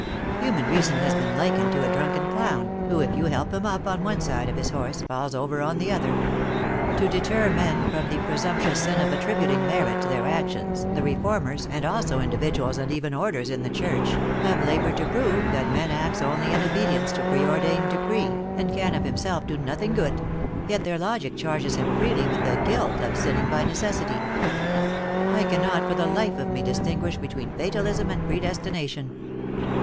Human reason has been likened to a drunken clown, who if you help him up on one side of his horse, falls over on the other. To deter men from the presumptuous sin of attributing merit to their actions, the reformers, and also individuals and THE ACTRESS IN HIGH LIFE. 201 even orders in the church, have labored to prove that man acts only in obedience to preordained decree, and can of himself do nothing good ; yet their logic charges him freely with the guilt of sinning by necessity. I cannot for the life of me distinguish between fatalism and predestination.